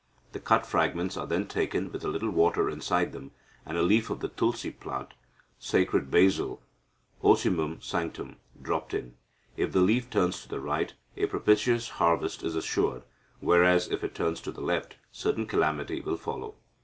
The cut fragments are then taken with a little water inside them, and a leaf of the tulsi plant (sacred basil, Ocimum sanctum) dropped in. If the leaf turns to the right, a propitious harvest is assured, whereas, if it turns to the left, certain calamity will follow.